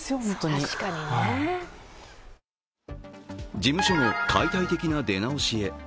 事務所の解体的な出直しへ。